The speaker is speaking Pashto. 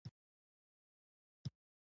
چې څنگه جوماتونه په بمانو الوزوي.